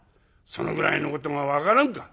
そのぐらいのことが分からんか。